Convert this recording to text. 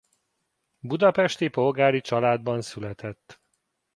Budapesti polgári családban született.